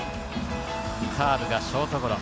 カーブがショートゴロ。